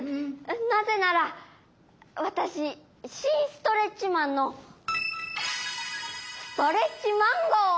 なぜならわたししんストレッチマンのストレッチマンゴー！